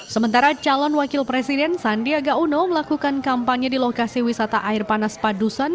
sementara calon wakil presiden sandiaga uno melakukan kampanye di lokasi wisata air panas padusan